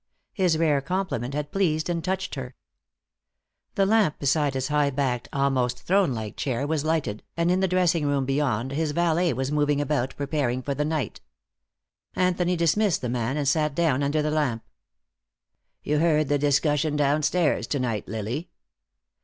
His rare compliment had pleased and touched her. The lamp beside his high backed, almost throne like chair was lighted, and in the dressing room beyond his valet was moving about, preparing for the night. Anthony dismissed the man, and sat down under the lamp. "You heard the discussion downstairs, to night, Lily.